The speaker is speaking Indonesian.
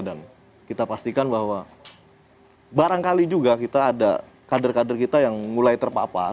dan kita pastikan bahwa barangkali juga kita ada kader kader kita yang mulai terpapar